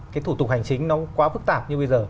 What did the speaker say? cái thủ tục hành chính nó quá phức tạp như bây giờ